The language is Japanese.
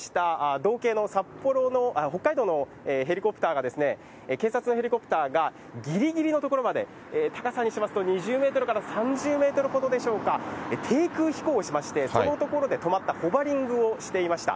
道警の札幌の、北海道のヘリコプターが、警察のヘリコプターがぎりぎりの所まで、高さにしますと２０メートルから３０メートルほどでしょうか、低空飛行しまして、その所で止まった、ホバリングをしていました。